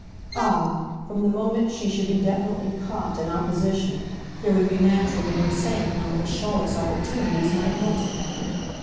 Ah, from the moment she should be definitely CAUGHT in opposition there would be naturally no saying how much Charlotte's opportunities might multiply!